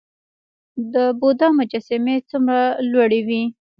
د بودا مجسمې څومره لوړې وې؟